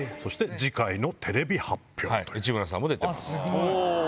内村さんも出てます。